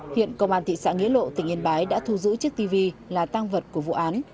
hiện công an thị xã nghĩa lộ tỉnh yên bái đã thu giữ chiếc tv là tăng vật của vụ án